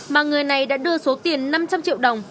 mà người này đã đưa số tiền năm trăm linh triệu đồng